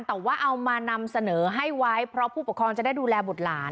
แต่ว่าเอามานำเสนอให้ไว้เพราะผู้ปกครองจะได้ดูแลบุตรหลาน